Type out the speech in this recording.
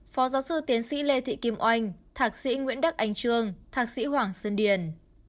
phó giáo sư tiến sĩ lê thị kim oanh thạc sĩ nguyễn đắc ánh trương thạc sĩ hoàng sơn điển